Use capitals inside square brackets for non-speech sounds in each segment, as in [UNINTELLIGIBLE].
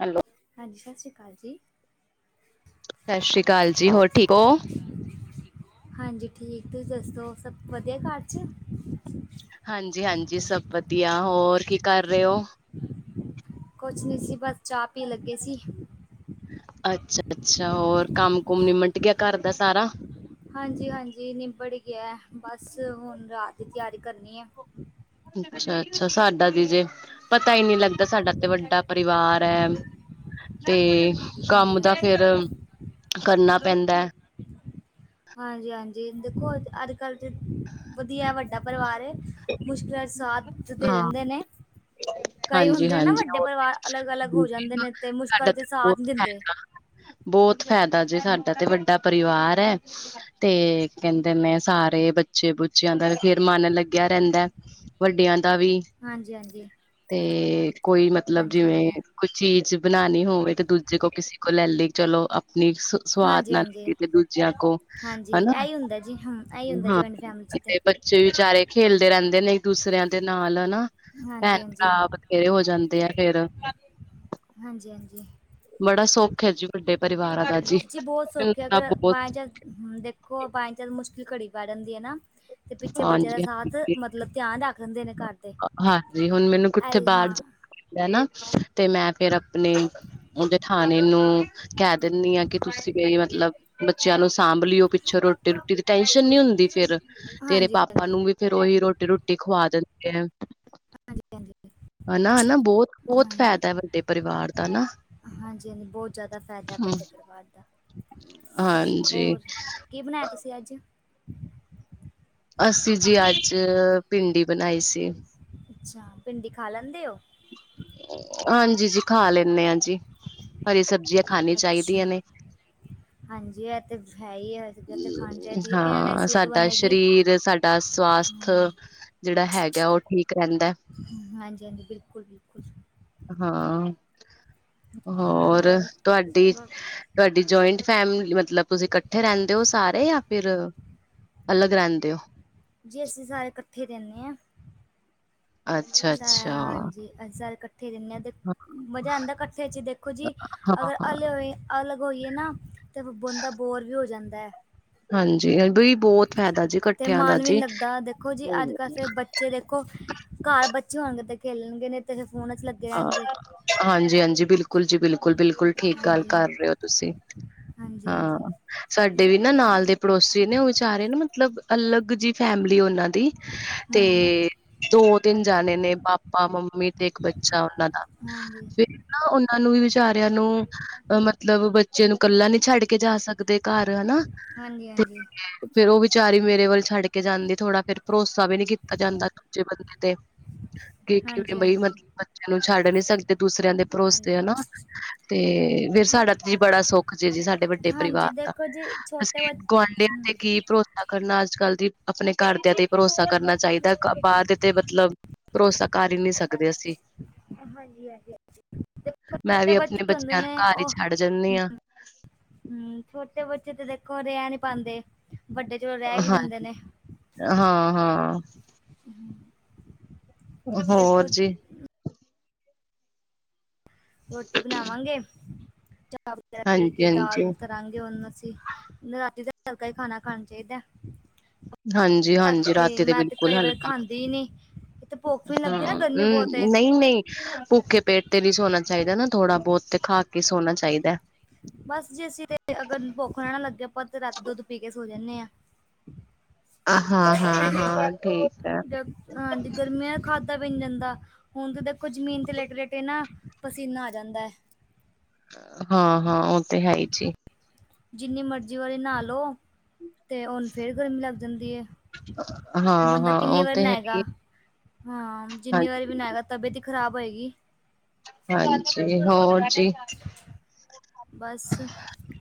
Hello ਹਾਂਜੀ ਸਸ ਸ੍ਰੀ ਕਾਲ ਜੀ। ਸਸ ਸ੍ਰੀ ਕਾਲ ਜੀ ਹੋਰ ਠੀਕ ਔ? ਹਾਂਜੀ ਠੀਕ ਤੁਸੀ ਦੱਸੋ ਸਭ ਵਧੀਆ ਕਾਰ ਚ। ਹਾਂਜੀ-ਹਾਂਜੀ ਸਭ ਵਧੀਆ ਹੋਰ ਕੀ ਕਰ ਰੇ ਔ। ਕੁਛ ਨੀ ਸੀ ਬਸ ਚਾ ਪੀ ਲੱਗੇ ਸੀ। ਅੱਛਾ-ਅੱਛਾ ਹੋਰ ਕਮ ਕੁਮ ਨਿਮਟ ਗਿਆ ਕਾਰ ਦਾ ਸਾਰਾ। ਹਾਂਜੀ-ਹਾਂਜੀ ਨਿਬੜ ਗਿਆ ਬਸ ਹੁਣ ਰਾਤ ਦੀ ਤਿਆਰੀ ਕਰਨੀ ਐ। ਅੱਛਾ-ਅੱਛਾ ਸਾਡਾ ਦੀ ਜੇ ਪਤਾ ਈ ਨੀ ਲਗਦਾ ਸਾਡਾ ਤੇ ਵਡਾ ਪਰਿਵਾਰ ਟੈਮ ਤੇ ਹਾਂਜੀ ਕੰਮ ਦਾ ਹਾਂਜੀ ਫੇਰ ਕਰਨਾ ਪੈਦਾ। ਹਾਂਜੀ-ਹਾਂਜੀ ਦੇਖੋ ਅਜ ਕਲ ਚ ਵਧੀਆ ਵੱ ਦਾ ਪਰਿਵਾਰ ਏ ਮੁਸ਼ਕਿਲ ਚ ਸਾਥ ਦੇ ਹਾਂ ਜਾਂਦੇ ਨੇ। ਕਈ ਹਾਂਜੀ ਹੁੰਦੇ ਨੇ ਹਾਂਜੀ ਵੱਡੇ ਪਰਿਵਾਰ ਅਲਗ-ਅਲਗ ਹੋ ਸਾਡਾ ਜਾਦੇ ਨੇ ਤੇ ਮੁਸ਼ਕਲ ਤੇ ਸਾਥ ਦਿੰਦੇ। ਬੋਤ ਫੇਦਾ ਜੇ ਸਾਡਾ ਤੇ ਵੱਡਾ ਪਰਿਵਾਰ ਐ। ਤੇ ਕੇਂਦੇ ਨੇ ਸਾਰੇ ਬੱ ਬੱਚੇ ਬੁੱਚਿਆਂ ਦਾ ਫੇਰ ਮਨ ਲਗਿਆ ਰੇਂਦਾ ਵੱਡਿਆਂ ਦਾ ਵੀ। ਹਾਂਜੀ-ਹਾਂਜੀ। ਤੇ ਕੋਈ ਮਤਲਬ ਜਿਵੇ ਕੋਈ ਚੀਜ ਬਣਾਣੀ ਹੋਵੇ ਤੇ ਦੂਜੇ ਕੋਲ ਕਿਸੇ ਕੋਲ ਲੈ ਲੀ ਚਲੋ ਆਪਣੀ ਸਵਾਦ ਹਾਂਜੀ ਨਾ ਹਾਂਜੀ ਲਗੀ ਤੇ ਦੂਜਿਆਂ ਕੋਲ ਹਾਂਜੀ ਹਨਾ ਇਹੀ ਹੁੰਦਾ ਜੀ ਹਾਂ ਇਹੀ ਹੁੰਦਾ ਹਾ ਜੁਆਇੰਟ ਫੈਮਿਲੀ 'ਚ ਤੇ ਬਡੇ ਬੰ ਬੱਚੇ ਵੀ ਵਿਚਾਰੇ ਖੇਲਦੇ ਰੇਂਦੇ ਨੇ ਇਕ ਦੂਸਰਿਆਂ ਦੇ ਨਾਲ ਹਨਾ। ਹਾਂਜੀ-ਹਾਂਜੀ। ਨਾ ਬਥੇਰੇ ਹੋ ਜਾਦੇ ਐ ਫੇਰ। ਹਾਂਜੀ-ਹਾਂਜੀ। ਬੜਾ ਸੁਖ ਐ ਜ ਵੱਡੇ ਪਰਿਵਾਰ ਜੀ ਬੋਤ ਸੁਖ ਐ ਅਗਰ ਬਾਏ ਚਾਂਸ ਦੇ ਕੋਈ ਬਾਈ ਚਾਂਸ ਮੁਸ਼ਕਿਲ ਘੜੀ ਪੈ ਜਾਦੀ ਐ ਨਾ ਤੇ ਪਿੱਛੇ ਬੱਚਿਆਂ ਦਾ ਹਾਂਜੀ ਸਾਥ ਹਾਂਜੀ ਮਤਲਬ ਧਿਆਨ ਰੱਖ ਲੇਂਦੇ ਨੇ ਕਾਰਦੇ ਐਹੀ ਹਾ ਕੀਤਾ ਨਾ ਤੇ ਮੈ ਫੇਰ ਜਠਾਣੀ ਨੂੰ ਕੇ ਦਿੰਨੀ ਆ ਕਿ ਤੁਸੀ ਵੀ ਮਤਲਬ ਬੱਚਿਆਂ ਨੂੰ ਸਾਂਭ ਲਿਔ ਪਿਛੋਂ ਰੋ ਟੀ ਰੂਟੀ ਦੀ ਟੈਸ਼ਨ ਨੀ ਹੁੰਦੀ ਫੇਰ ਤੇਰੇ ਹਾਂਜੀ, ਪਾਪਾ ਹਾਂਜੀ, ਹਾਂਜੀ, ਨੂੰ ਵੀ ਫੇਰ ਉਹੀ ਰੋਟੀਰੁਟੀ ਖਵਾ ਦਿੰਦਿਆ। ਹਾਂਜੀ-ਹਾਂਜੀ। ਹਨਾ-ਹਨਾ ਬੋਤ-ਬੋਤ ਫੇਦਾ ਐ ਵੱਡੇ ਪਰਿਵਾਰ ਦਾ ਨਾ। ਹਾਂਜੀ ਹਾਂ ਬੋਤ ਜਾਦਾ ਫੇਦਾ ਵੱਡੇ ਪਰਿਵਾਰ ਦਾ, ਹਾਂਜੀ ਹੋਰ ਕੀ ਬਣਾਇਆ ਤੁਸੀ ਅਜ? ਅਸੀਂ ਜੀ ਅੱਜ ਭਿੰਡੀ ਬਣਾਈ ਸੀ। ਅੱਛਾ ਭਿੰਡੀ ਖਾ ਲੈਂਦੇ ਔ। ਹਾਂਜੀ ਜੀ ਖਾ ਲੈਨੇ ਆ ਜੀ, ਹਰੀ ਸਬਜ਼ਿਆ ਅੱਛਾ, ਹਾਂਜੀ ਐ ਤੇ ਹੈ ਈ ਐ। ਹਾਂ ਸਾਡਾ ਸ਼ਰੀਰ ਸਾ ਦਾ ਸਵਾਸਥ ਜੇੜਾ ਹੈਗਾ ਓ ਠੀਕ ਰੇਂਦਾ। ਹਾਂਜੀ, ਹਾਂਜੀ ਬਿਲਕੁਲ, ਬਿਲਕੁਲ। ਹਾਂ, ਹੋਰ ਤੁਹਾਡੀ ਤੁਹਾਡੀ ਜੁਆਇੰਟ ਫੈਮਿਲੀ ਮਤਲਬ ਤੁਸੀਂ ਇਕੱਠੇ ਰਹਿੰਦੇ ਉਹ ਸਾਰੇ ਜਾਂ ਫਿਰ ਅਲੱਗ ਰਹਿੰਦੇ ਔ। ਜੀ ਅਸੀਂ ਸਾਰੇ ਇਕੱਠੇ ਰਹਿਨੇ ਆ। ਅੱਛਾ ਅੱਛਾ, ਹਾਂਜੀ ਅਸੀਂ ਸਾਰੇ ਇਕੱਠੇ ਈ ਰੇਨੇ ਆ ਹਾਂ ਮਜ਼ਾ ਆਦਾ ਕੱਠੇ ਚ ਦੇਖੋ ਜੀ, ਅਗਰ ਹਾਂ ਹਲੇ ਹੋਏ ਅਲੱਗ ਹੋਈਏ ਨਾ ਤੇ ਬੰਦਾ ਬੋਰ ਵੀ ਹੋ ਜਾਂਦਾ। ਹਾਂਜੀ ਬਈ। ਬਹੁਤ ਫਾਇਦਾ ਜੀ ਤੇ ਇਕੱਠਿਆਂ ਦਾ ਮਨ ਵੀ ਨੀ ਜੀ। ਲੱਗਦਾ ਦੇਖੋ ਜੀ ਅੱਜ ਕੱਲ ਦੇ ਬ ਬੱਚੇ ਦੇਖੋ ਘਰ ਬੱਚੇ ਹੋਣਗੇ ਤੇ ਖੇਲਣਗੇ ਨਈ ਤੇ ਫੋਨ ਚ ਲੱ ਹਾਂ ਹਾਂਜੀ, ਹਾਂਜੀ ਬਿਲਕੁਲ ਜੀ ਬਿਲਕੁਲ, ਬਿਲਕੁਲ ਠੀਕ ਗੱਲ ਹਾਂਜੀ ਕਰ ਰਹੇ ਔ ਤੁਸੀਂ। ਹਾਂਜੀ, ਹਾਂਜੀ ਹਾਂ। ਸਾਡੇ ਵੀ ਨਾ ਨਾਲ ਦੇ ਪੜੋਸੀ ਨੇ ਉਹ ਵਿਚਾਰੇ ਨਾ ਮਤਲਬ ਅਲੱਗ ਜੀ ਫੈਮਿਲੀ ਉਹਨਾਂ ਦੀ ਦੀ, ਹਮ ਤੇ ਦੋ ਤਿਨ ਜਾਣੇ ਨੇ ਪਾਪਾ ਮੰਮੀ ਤੇ ਇੱਕ ਬੱਚੇ ਬੱਚਾ ਉਹਨਾਂ ਦਾ, ਹਾਂਜੀ ਫਿਰ ਨਾ ਉਹਨਾਂ ਨੂੰ ਵੀ ਵਿਚਾਰਿਆਂ ਨੂੰ ਮਤਲਬ ਜਦੋ ਇਹਨੂੰ ਕੱਲਾ ਨੀ ਛੱਡ ਕੇ ਜਾ ਸਕਦੇ ਘਰ ਹਨਾ ਹਾਂਜੀ ਤੇ ਹਾਂਜੀ ਫੇਰ ਉਹ ਵਿਚਾਰੀ ਮੇਰੇ ਵੱਲ ਛੱਡ ਕੇ ਜਾਂਦੀ ਥੋੜ੍ਹਾ ਫੇਰ ਭਰੋਸਾ ਵੀ ਨੀ ਕੀਤਾ ਜਾਂਦਾ ਦੂਜੇ ਬੰਦੇ ਤੇ। ਕਿ ਕਿਵੇਂ ਹਾਂਜੀ ਬਈ ਹਾਂਜੀ ਮਤਲਬ ਬੱਚਿਆਂ ਨੂੰ ਛੱਡ ਨੀ ਸਕਦੇ ਦੂਸਰਿਆਂ ਦੇ ਭਰੋਸੇ ਹਨਾ। ਹਾਂਜੀ ਤੇ ਫੇਰ ਸਾਡਾ ਤੇ ਜੀ ਬੜਾ ਸੁੱਖ ਜੇ ਜੀ ਸਾਡਾ ਵੱਡੇ ਪਰਿਵਾਰ ਹਾਂਜੀ ਦਾ ਦੇਖੋ ਜੀ ਛੋਟੇ ਅਸੀਂ ਗੁਆਂਢੀਆਂ ਤੇ ਬੱਚ ਕੀ ਭਰੋਸਾ ਕਰਨਾ ਅੱਜ ਕੱਲ ਦੀ ਆਪਣੇ ਘਰਦਿਆਂ ਤੇ ਭਰੋਸਾ ਕਰਨਾ ਚਾਹੀਦਾ ਬਾਹਰ ਦੇ ਤੇ ਮਤਲਬ ਭਰੋਸਾ ਕਰ ਈ ਨੀ ਸਕਦੇ ਅਸੀਂ। ਹਾਂਜੀ, ਹਾਂਜੀ ਔ ਮੈਂ ਛੋਟੇ ਵੀ ਆਪਣੇ ਬੱਚੇ ਹੁੰਦੇ ਬੱਚਿਆਂ ਨੂੰ ਨੇ ਘਰ ਹੀ ਉਹ ਛੱਡ ਜਾਂਦੀ ਹਾਂ ਹੂੰ ਹੂੰ ਛੋਟੇ ਬੱਚੇ ਤੇ ਦੇਖੋ ਰਹਿ ਨੀ ਪਾਦੇ ਵੱਡੇ ਚਲੋ ਰਹਿ ਵੀ ਲੈਂਦੇ ਹਾਂਜੀ ਨੇ ਹਾਂ, ਹਾਂ। ਹੋਰ ਦੇਖੋ ਜੀ। ਰੋਟੀ ਬਣਾਵਾਂਗੇ, ਚਾਹ ਵਗੈਰਾ ਪੀ ਕੇ ਹਾਂਜੀ-ਹਾਂਜੀ। ਦਾਲ ਰੱਖ ਦਾਂਗੇ ਉਹਨੂੰ ਅਸੀਂ, ਰਾਤੀ ਦਾ ਹਲਕਾ ਈ ਖਾਣਾ ਖਾਣਾ ਚਾਹੀਦਾ। ਹਾਂਜੀ-ਹਾਂਜੀ ਰਾਤੀ ਮੈਂ ਤੇ ਬਿਲਕੁਲ ਕਈ ਵਾਰੀ ਹਲਕਾ ਖਾਂਦੀ ਈ ਨੀ, ਇਥੇ ਭੁੱਖ ਵੀ ਲੱਗਦੀ ਨੀ ਗਰਮੀ ਬਹੁਤ ਹੈ ਨਈ, ਨਈ ਭੁੱਖੇ ਪੇਟ ਤੇ ਨੀ ਸੋਣਾ ਚਾਹੀਦਾ ਨਾ ਥੋੜਾ ਬਹੁਤ ਤੇ ਖਾ ਕੇ ਸੋਣਾ ਚਾਹੀਦਾ। ਬਸ ਜੇ ਅਸੀਂ ਤੇ ਅਗਰ ਭੁੱਖ ਨਾ ਨਾ ਲੱਗੇ ਆਪਾਂ ਤੇ ਰਾਤੀ ਦੁੱਧ ਪੀ ਕੇ ਸੋ ਜਾਨੇ ਆ। [INAUDIBLE] ਹਾਂ, ਹਾਂ, ਹਾਂ ਠੀਕ ਆ। ਜਦ ਹਾਂਜੀ ਗਰਮੀਆਂ ਦਾ ਖਾਧਾ ਵੀ ਨੀ ਜਾਂਦਾ। ਹੁਣ ਤਾਂ ਦੇਖੋ ਜ਼ਮੀਨ ਤੇ ਲੇਟੇ-ਲੇਟੇ ਨਾ ਪਸੀਨਾ ਆ ਜਾਂਦਾ ਐ। ਹਾਂ, ਹਾਂ ਓਹ ਤੇ ਹੈ ਈ ਜੀ। ਜਿੰਨੀ ਮਰਜ਼ੀ ਵਾਲੀ ਨਾਅ ਲਓ, ਤੇ ਉਹਨੂੰ ਫੇਰ ਗਰਮੀ ਲੱਗ ਜਾਂਦੀ ਐ। ਬੰਦਾ ਹਾਂ-ਹਾਂ ਕਿੰਨੀ ਓ ਵਾਰ ਤੇ ਹੈ ਈ ਨਾਏਗਾ, ਹਾਂ ਜਿੰਨੀ ਵਾਰ ਵੀ ਨਾਏਗਾ ਤਬੀਅਤ ਈ ਖ਼ਰਾਬ ਹੋਏਗੀ। ਹਾਂਜੀ ਹੋਰ ਜੀ। ਬਸ,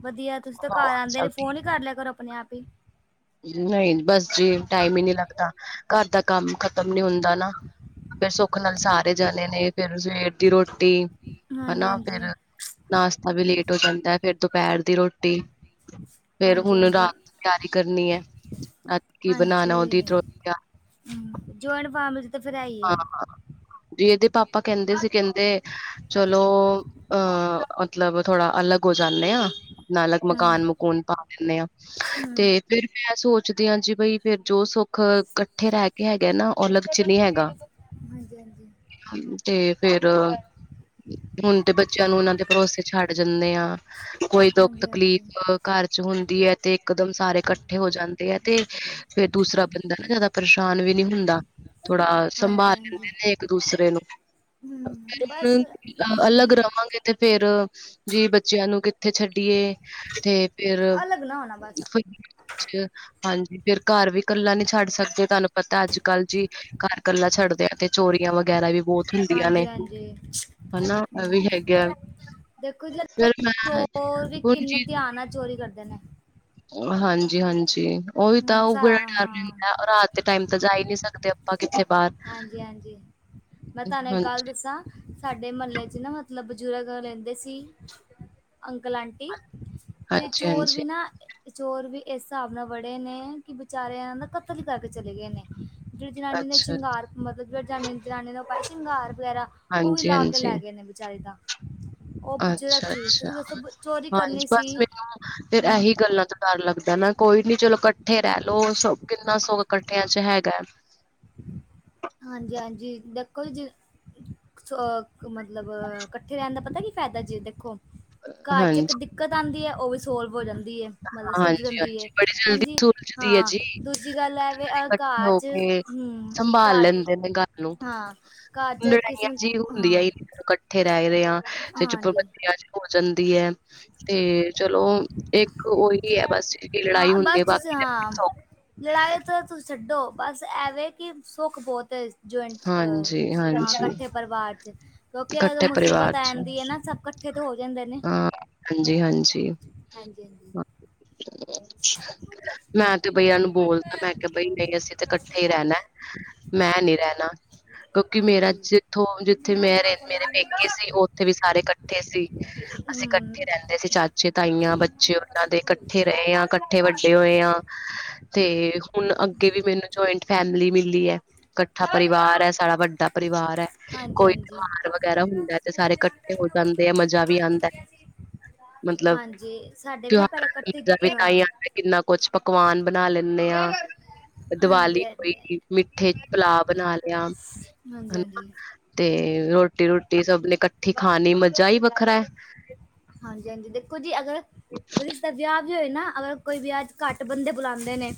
ਵਧੀਆ ਤੁਸੀਂ ਤਾਂ ਘਰ ਹੋਰ ਆਦੇ ਨੇ ਸਭ ਠੀਕ ਫੋਨ ਈ ਕਰ ਲਿਆ ਕਰੋ ਆਪਣੇ ਆਪ ਹੀ। ਨਈ ਬਸ ਜੀ ਟਾਈਮ ਈ ਨੀ ਲੱਗਦਾ ਘਰ ਦਾ ਕੰਮ ਖਤਮ ਨੀ ਹੁੰਦਾ ਨਾ। ਫੇਰ ਸੁੱਖ ਨਾਲ ਸਾਰੇ ਜਾਣੇ ਨੇ ਫੇਰ ਸਵੇਰ ਦੀ ਰੋਟੀ, ਹਾਂਜੀ ਹਨਾ ਹਾਂਜੀ ਫੇਰ ਨਾਸ਼ਤਾ ਵੀ ਲੇਟ ਹੋ ਜਾਂਦਾ, ਫੇਰ ਦੁਪਹਿਰ ਦੀ ਰੋਟੀ, ਫੇਰ ਹਾਂਜੀ ਹੁਣ ਹਾਂਜੀ ਰਾਤ ਤਿਆਰੀ। ਕਰਨੀ ਐ, ਕੀ ਬਨਾਣਾ ਓਦੀ [UNINTELLIGIBLE] ਹੂੰ, ਜ਼ੋਇੰਟ ਫੈਮਲੀ ਹਾਂ, ਤੇ ਏਦੇ ਪਾਪਾ ਕੈਂਦੇ ਸੀ ਕੈਂਦੇ 'ਚਲੋ ਅਹ ਮਤਲਬ ਥੋੜਾ ਅਲੱਗ ਹੋ ਜਾਂਨੇ ਆਂ। ਨਾ ਅਲਗ ਹਮ ਮਕਾਨ-ਮਕੂਨ ਪਾ ਦਿੰਨੇ ਆ ਤੇ ਹਮ ਫੇਰ ਮੈਂ ਸੋਚਦੀ ਆਂ ਜੀ ਬਈ ਫੇਰ ਜੋ ਸੁੱਖ ਕੱਠੇ ਰੈਕੇ ਹੈਗਾ ਨਾ, ਓ ਅਲੱਗ ਚ ਨਈਂ ਹੈਗਾ। ਹਾਂਜੀ-ਹਾਂਜੀ। ਤੇ ਫੇਰ ਹੁਨ ਤੇ ਬੱਚਿਆਂ ਨੂੰ ਓਨਾਂ ਦੇ ਪਰੋਸੇ ਛੱਡ ਜਾਂਦੇ ਆ। ਕੋਈ ਦੁੱਖ ਹਾਂਜੀ ਤਕਲੀਫ ਹਾਂਜੀ ਘਰ ਚ ਹੁੰਦੀ ਐ ਤੇ ਇਕਦਮ ਸਾਰੇ ਕੱਠੇ ਹੋ ਜਾਂਦੇ ਐ ਤੇ ਫੇਰ ਦੂਸਰਾ ਬੰਦਾ ਨਾ ਜਾਦਾ ਪਰੇਸ਼ਾਨ ਵੀ ਨੀ ਹੁੰਦਾ, ਥੋੜਾ ਹਾਂਜੀ ਸੰਭਾਲ ਲੈਂਦੇ ਹਾਂਜੀ ਨੇ ਏਕ ਦੂਸਰੇ ਨੂੰ, ਫੇਰ ਹੁਣ ਅਲੱਗ ਵਾਂਗੇ ਤੇ ਫੇਰ ਜੀ ਬੱਚੇਆਂ ਨੂੰ ਕਿੱਥੇ ਛੱਡੀਏ, ਤੇ ਫੇਰ ਹਾਂਜੀ, ਫੇਰ ਘਰ ਵੀ ਕੱਲਾ ਨੀ ਛੱਡ ਸਕਦੇ, ਤੁਆਨੂੰ ਪਤਾ ਅੱਜ-ਕੱਲ ਜੀ ਘਰ ਸਾਡੇ ਤੇ ਏਥੇ ਚੋਰੀਆਂ ਵਗੈਰਾ ਵੀ ਬੋਤ ਹੁੰਦੀਆਂ ਨੇ ਹਾਂਜੀ ਹਾਂਜੀ ਹਨਾ, ਐ ਵੀ ਹੈਗਾ। ਦੇਖੋ ਜੀ ਫਿਰ ਅੱਜ-ਕੱਲ ਮੈਂ ਚੋਰ ਵੀ ਹੁਣ ਕਿੰਨੇ ਧਿਆਨ ਨਾਲ ਚੋਰੀ ਕਰਦੇ ਨੇ। ਹਾਂਜੀ-ਹਾਂਜੀ। ਓਹੀ ਤਾਂ ਓ ਬੜਾ ਡਰ ਰੈਂਦਾ, ਰਾਤ ਦੇ ਟਾਈਮ ਤਾਂ ਜਾ ਹੀ ਨੀਂ ਸਕਦੇ ਆਪਾਂ ਕਿਥੇ ਬਾਹਰ। ਹਾਂਜੀ-ਹਾਂਜੀ। ਮੈਂ ਤਾਨੂੰ ਇੱਕ ਗੱਲ ਹਾਂਜੀ ਦੱਸਾਂ, ਸਾਡੇ ਮੁਹੱਲੇ ਚ ਨਾ ਮਤਲਬ ਬਜ਼ੁਰਗ ਰੈਂਦੇ ਸੀ। ਅੰਕਲ-ਆਂਟੀ, ਤੇ ਹਾਂਜੀ ਚੋਰ ਹਾਂਜੀ ਵੀ ਨਾ, ਚੋਰ ਵੀ ਇਸ ਸਾਬ ਨਾਲ ਵੜੇ ਨੇ ਕਿ ਵਿਚਾਰਿਆ ਦ ਕਤਲ ਈ ਕਰਕੇ ਚਲੇ ਗਏ ਨੇ। ਜੇ ੜੀ ਜਨਾਨੀ ਦਾ ਨ ਅੱਛਾ ਸ਼ਿੰਗਾਰ ਮਤਲਬ ਜੇੜਾ ਜਾਨੀ ਜਨਾਨੀ ਦਾ ਪਾਈ ਸ਼ਿੰਗਾਰ ਵਗੈਰਹ ਓਵੀ ਹਾਂਜੀ ਲਾ ਕੇ ਹਾਂਜੀ ਲੈ ਗਏ ਨੇ ਵਿਚਾਰੀ ਦਾ। ਉਹ ਬਜ਼ੁਰਗ ਸੀ ਅੱਛਾਂ-ਅੱਛਾ ਤੁਸੀਂ ਦੱਸੋ ਚੋਰੀ ਹਾਂਜੀ ਕਰਨੀ ਸੀ ਬਸ, ਮੈਨੂੰ ਫੇਰ ਹਮ ਐਹੀ ਗੱਲਾਂ ਡਰ ਲੱਗਦੈ ਨਾ ਕੋਈ ਨੀ ਚਲੋ ਕੱਠੇ ਰੈਲੋ, ਸ ਕਿੰਨਾ ਸੁੱਖ ਕੱਠਿਆਂ ਚ ਹੈਗਾ। ਹਾਂਜੀ-ਹਾਂਜੀ ਬਿਲਕੁੱਲ ਜੀ। ਸੋ ਮਤਲਬ ਕੱਠੇ ਰੈਂਣ ਦਾ ਪਤਾ ਕੀ ਫੈਦਾ ਜੇ, 'ਦੇਖੋ ਘਰ ਚ ਇੱਕ ਹਾਂਜੀ ਦਿੱਕਤ ਆਂਦੀ ਹਏ, ਓਵੀ ਸੋਲਵ ਹੋ ਜਾਂਦੀਏ। ਮਤਲਬ ਸੁਲਝ ਹਾਂਜੀ ਜਾਂਦੀ ਏ, ਹਾਂਜੀ ਬੜੀ ਜਲਦੀ ਹਾਂਜੀ ਸੁਲਝਦੀ ਹੈ ਹਾਂ ਜੀ ਦੂਜੀ ਗੱਲ ਐ ਵੈ ਆ ਇਕੱਠੇ ਘਰ ਹੋ 'ਚ ਕੇ ਹੂੰ, ਸੰਭਾਲ ਘਰ ਲੈਂਦੇ ਨੇ ਗੱਲ ਨੂੰ ਹਾਂ, ਘਰ ਚ ਕਿਸੇ ਨੂੰ ਹਾਂ ਕੱਠੇ ਰੈਰੇਆਂ, ਹਾਂਜੀ ਪਾਬੰਦੀ ਹੋ ਜਾਂਦੀ ਐ ਤੇ 'ਚਲੋ ਓਹੀ ਹੈ ਬਸ ਲੜਾਈ ਹਾਂ ਹੁੰਦੀ ਬਸ ਐ ਤੁਸੀਂ ਬਾਕੀ ਹਾਂ ਸ ਲੜਾਈ ਤੇ ਤੁਸੀ ਛੱਡੋ, ਬਸ ਐਵੇਂ ਕਿ ਸੁੱਖ ਬੋਤ ਏ। ਜੂਆਇੰਟ ਹਾਂਜੀ, ਹਾਂ ਹਾਂਜੀ ਕੱਠੇ ਪਰਿਵਾਰ ਚ ਕਿਉਂਕਿ ਅਗਰ ਇਕੱਠੇ ਮੁਸੀਬਤ ਪਰਿਵਾਰ ਆ ਚ ਜਾਂਦੀ ਏ ਨਾ ਸਭ ਕੱਠੇ ਤੇ ਹੋ ਜਾਂਦੇ ਨੇ। ਹੰਜੀ-ਹੰਜੀ। ਹਾਂਜੀ। [UNINTELLIGIBLE] ਮੈਂ ਤੇ ਬਈ ਏਨਾਂ ਨੂੰ ਬੋਲਤਾ, ਮੈਂ ਕੇਆ ਬਈ ਨਹੀਂ ਅਸੀ ਤੇ ਕੱਠੇ ਰੈਣਾ। ਮੈਂ ਨੀਂ ਰੈਂਣਾ, ਕਿਉਂਕਿ ਮੇਰਾ ਹਾਂਜੀ ਜਿੱਥੋਂ ਜਿੱਥੇ ਮੈਂ ਰਹਿ ਮੇਰੇ ਪੇਕੇ ਸੀ, ਓ ਓਥੇ ਵੀ ਸਾਰੇ ਕੱਠੇ ਸੀ। ਅਸੀ ਕੱਠੇ ਹਮ ਰੈਂਦੇ ਸੀ, ਚਾਚੇ, ਤਾਈਆਂ ਬੱਚੇ ਓਹਨਾਂ ਦੇ, ਕੱਠੇ ਰਏ ਆਂ ਕੱਠੇ ਵੱਡੇ ਹੋਏ ਆ। ਤੇ ਹੁਨ ਅੱਗੇ ਵੀ ਮੈਨੂੰ ਜੁਆਇੰਟ ਫੈਮਲੀ ਮਿਲੀ ਐ। ਕੱਠਾ ਪਰਿਵਾਰ ਐ, ਸਾਡਾ ਵੱਡਾ ਪਰਿਵਾਰ ਐ ਹਾਂਜੀ ਕੋਈ ਹਾਂਜੀ ਤਿਉਹਾਰ ਦ ਵਗੈਰਾ ਹੁੰਦਾ ਤੇ ਸਾਰੇ ਇਕੱਠੇ ਹੋ ਜਾਂਦੇ ਐ ਮਜ਼ਾ ਵੀ ਆਂਦੈ। ਹਾਂਜੀ। ਸਾਡੇ ਵੀ ਨਾ ਪਹਿਲਾਂ ਇਕੱਠੇ ਤਿਉਹਾਰਾਂ ਤਾਂ ਈ ਹਾਂ ਕਿੰਨਾ ਕੁਛ ਪਕਵਾਨ ਬਣਾ ਲੈਂਨੇ ਆ। ਦੀਵਾਲੀ ਹਾਂਜੀ ਹਾਂਜੀ ਹੋਈ ਮਿੱਠੇ ਪਲਾ ਬਣਾ ਲਿਆ, ਹਾਂਜੀ ਹਨਾ ਹਾਂਜੀ ਤੇ ਰੋ ਟੀ ਰੁਟੀ ਸਭ ਨੇ ਕੱਠੀ ਖਾਣੀ ਮਜ਼ਾ ਈ ਵੱਖਰਾ ਐ। ਹਾਂਜੀ-ਹਾਂਜੀ ਦੇਖੋ ਜੀ ਅਗਰ [INAUDIBLE] ਰਿਸਦਾ ਵੇਆ ਵੀ ਹੋਏ ਨਾ ਅਗਰ ਕੋਈ ਵਿਆ 'ਚ ਘੱਟ ਬੰਦੇ ਬੁਲਾਂਦੇ ਨੇ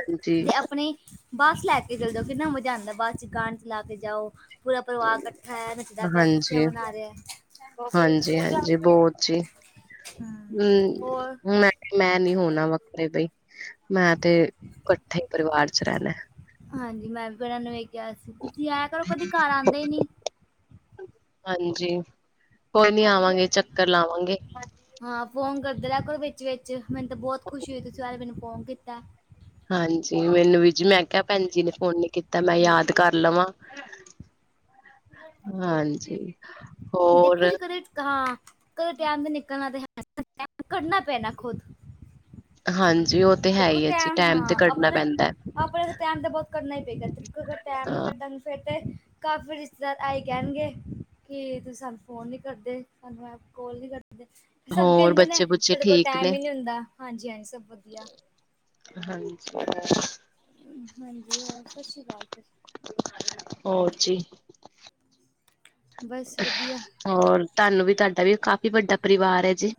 ਹਾਂਜੀ ਤੇ ਆਪਣੀ ਬੱਸ ਲੈ ਕੇ ਚੱਲ ਜੋ ਕਿੰਨਾ ਮਜ਼ਾ ਆਂਦਾ ਬੱਸ ਚ ਗਾਣੇ ਚਲਾ ਕੇ ਜਾਓ ਪੂਰਾ ਪਰਿਵਾਰ ਕੱਠਾ ਹੈ ਨੱਚਦਾ ਪਿਆ, ਖੁਸ਼ੀਆਂ ਮਨਾ ਰੇਆ। ਹਾਂਜੀ-ਹਾਂਜੀ ਬੋ ਜੀ ਹਮ ਹੋਰ ਮੈਂ ਕੇ ਮੈਂ ਨੀ ਹੋਣਾ ਵੱਖਰੇ ਬਈ ਮੈਂ ਤੇ ਕੱਠੇ ਪਰਿਵਾਰ ਚ ਰੈਂਨਾ। ਹਾਂਜੀ ਮੈਂ ਵੀ ਬਰੇਆ ਨੂੰ ਏਈ ਕੇਆ ਸੀ ਤੁਸੀਂ ਆਇਆ ਕਰੋ ਕਦੀ ਘਰ ਆਂਦੇ ਨੀ। ਹਾਂਜੀ ਕੋਈ ਨੀ ਆਵਾਂਗੇ ਚੱਕਰ ਲਾਵਾਂਗੇ। ਹਾਂ ਫ਼ੋਨ ਕਰਦਾ ਰੇਆ ਕਰੋ ਵਿੱਚ-ਵਿੱਚ ਮੈਨੂੰ ਤੇ ਬੋਤ ਖੁਸ਼ੀ ਹੋਈ ਤੁਸੀਂ ਅੱਜ ਮੈਨੂੰ ਫ਼ੋਨ ਕੀਤਾ। ਹਾਂਜੀ ਮੈਨੂੰ ਵੀ ਜੀ ਮੈਂ ਕੇਆ ਭੈਣ ਜੀ ਨੇ ਫ਼ੋਨ ਨੀ ਕੀਤਾ ਮੈਂ ਯਾਦ ਕਰ ਲਵਾਂ। ਹਾਂਜੀ। ਹੋਰ ਦੇਕੋ ਜੀ ਕਦੇ ਹਾਂ ਕਦੇ ਟੈਮ ਨੀ ਨਿਕਲਣਾ ਤੇ ਕੱਢਣਾ ਪੈਣਾ ਖੁਦ। ਹਾਂਜੀ। ਉਹ ਤੇ ਹੈ ਦੇਖੋ ਹੀ ਹੈ ਜੀ ਟਾਈਮ ਟੈਮ ਹਾਂ ਤੇ ਕੱਢਣਾ ਆਪਣੇ, ਪੈਂਦਾ ਆਪਣੇ ਤੇ ਟਾਈਮ ਦਾ ਬੋ ਕਰਨਾ ਈ ਪਏਗਾ ਜਤ ਅਗਰ ਟਾਈਮ ਨੀ ਹਾਂ। ਕੱਢਾਗੇ ਫੇਰ ਤੇ ਕਾਫ਼ੀ ਰਿਸ਼ਤੇਦਾਰ ਆਈ ਕੈਂਣਗੇ ਕੀ ਤੁਸੀਂ ਸਾਨੂੰ ਫ਼ੋਨ ਨੀ ਕਰਦੇ, ਸਾਨੂੰ ਐ ਕਾਲ ਨੀ ਕਰਦੇ। ਸਭ ਹੋਰ ਕੈਂਦੇ ਨੇ ਬੱਚੇ ਬੁੱਚੇ ਸਾਡੇ ਕੋਲ ਠੀਕ ਟਾਈਮ ਨੇ ਈ ਨੀ ਹੁੰਦਾ ਹਾਂਜੀ-ਹਾਂਜੀ ਸਭ ਵਧੀਆ। ਹਾਂਜੀ ਐ। ਹਾਂਜੀ ਹੋਰ ਸ਼ ਸ਼੍ਰੀ ਕਾਲ ਫੇਰ। ਹੋਰ ਜੀ। ਬਸ ਵਧੀਆ। ਹੋਰ ਤੁਹਾਨੂੰ ਵੀ ਤੁਹਾਡਾ ਵੀ ਕਾਫ਼ੀ ਵੱਡਾ ਪਰਿਵਾਰ ਐ ਜੀ।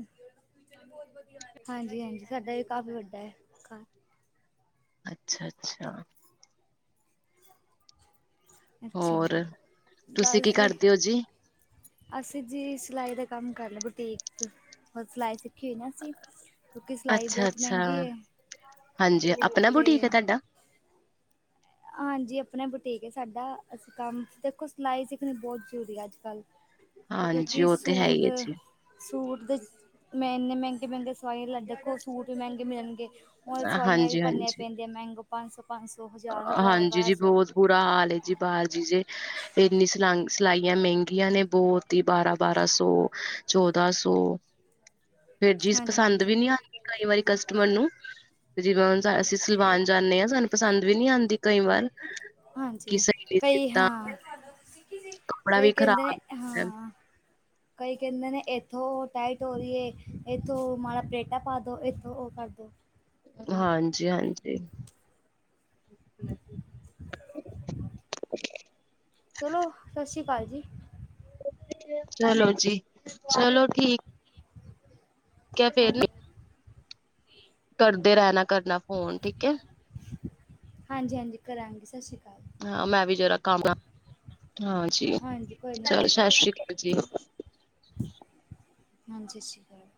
ਹਾਂਜੀ-ਹਾਂਜੀ ਸਾਡਾ ਵੀ ਕਾਫ਼ੀ ਵੱਡਾ ਐ। ਅੱਛਾ-ਅੱਛਾ। ਅੱਛਾ, ਹੋਰ ਤੁਸੀਂ ਬਸ ਕੀ ਜੀ ਕਰਦੇ ਹੋ ਜੀ? ਅਸੀਂ ਜੀ ਸਿਲਾਈ ਦਾ ਕੰਮ ਕਰ ਲੈ ਬੁਟੀਕ ਹੋਰ ਸਿਲਾਈ ਸਿੱਖੀ ਹੋਈ ਨਾ ਅਸੀਂ ਕਿਉਂਕਿ ਸਿਲਾਈ ਅੱਛਾ ਬੋਤ ਅੱਛਾ ਮਹਿੰਗੀ ਏ ਹਾਂਜੀ ਆਪਣਾ 'ਤੇ ਬੁਟੀਕ ਹੈ ਤੁਹਾਡਾ ਹਾਂਜੀ ਆਪਣਾ ਬੁਟੀਕ ਏ ਸਾਡਾ ਅਸੀਂ ਕੰਮ ਦੇਖੋ ਸਿਲਾਈ ਸਿੱਖਣੀ ਬੋ ਜ਼ਰੂਰੀ ਅੱਜ-ਕੱਲ ਹਾਂਜੀ ਕਿਉਂਕਿ ਉਹ ਤੇ ਹੈ ਸੂਟ ਹੀ ਹੈ ਜੀ। ਸੂਟ ਦੇ ਮੈਂ ਇੰਨੇ ਮਹਿੰਗੇ-ਮਹਿੰਗੇ ਸਵਾਈ ਲੈ ਦੇਖੋ ਸੂਟ ਵੀ ਮਹਿੰਗੇ ਮਿਲਣਗੇ ਹੋਰ ਸਵਾਈਆਂ ਵੀ ਭਰਨੀਆਂ ਹਾਂਜੀ-ਹਾਂਜੀ, ਹਾਂਜੀ ਪੈਂਦੀਆਂ ਮਹਿੰਗੋ ਪੰਜ ਸੌ, ਪੰਜ ਸੌ, ਹਜ਼ਾਰ ਹ ਅ, ਹਾਂਜੀ ਜੀ ਬੋਤ ਬੁਰਾ ਹਾਲ ਏ ਜੀ ਬਾਰ ਜੀ ਜੇ ਇੰਨੀ ਸਲਘ ਸਿਲਾਈਆਂ ਮਹਿੰਗੀਆਂ ਨੇ ਬੋਤ ਈ ਬਾਰਾਂ-ਬਾਰਾਂ ਸੌ, ਚੌਦਾਂ ਸੌ ਫੇਰ ਜੀਜ਼ ਹਾਂਜੀ ਪਸੰਦ ਵੀ ਹਾਂਜੀ ਨੀ ਆਂਦੀ ਕਈ ਵਾਰੀ ਕਸਟਮਰ ਨੂੰ ਜਿਵੇਂ ਹੁਣ ਅਸੀਂ ਸਲਵਾਨ ਜਾਂਨੇ ਆ ਸਾਨੂੰ ਪਸੰਦ ਵੀ ਨੀ ਆਂਦੀ ਕਈ ਵਾਰ। ਕਿ ਹਾਂਜੀ ਸਹੀ ਨੀ ਕਈ ਸੀਤਾ ਹਾਂ, ਕੱਪੜਾ ਵੀ ਕਈ ਕੈਂਦੇ ਨੇ ਖ਼ਰਾਬ ਹਾਂ ਕਈ ਕੇਂਦੇ ਨੇ, ਏਥੋਂ ਟਾਈਟ ਹੋ ਰਈ ਏ ਏਥੋਂ ਮਾੜਾ ਪਲੇਟਾਂ ਪਾ ਦੋ, ਏਥੋਂ ਓ ਕਰਦੋ। ਹਾਂਜੀ-ਹਾਂਜੀ। ਚਲੋ, ਸਤਿ ਸ਼੍ਰੀ ਕਾਲ ਜੀ। ਚਲੋ ਜੀ, ਚਲੋ ਠੀਕ। ਕੇਆ ਫੇਰ ਨੀ ਹਾਂਜੀ ਕਰਦੇ ਰੈਨਾ, ਕਰਨਾ ਫੋਨ ਠੀਕ ਐ। ਹਾਂਜੀ- ਹਾਂਜੀ, ਕਰਾਂਗੇ ਸਤਿ ਸ਼੍ਰੀ ਕਾਲ। ਹਾਂ, ਮੈਂ ਵੀ ਜਰਾ ਕੰਮ ਹਾਂਜੀ ਹਾਂਜੀ ਕੋਈ ਚਲ ਸਤਿ ਸ਼੍ਰੀ ਕਾਲ ਜੀ। ਹਾਂਜੀੇ ਸਸ ਸ਼੍ਰੀ ਕਾਲ।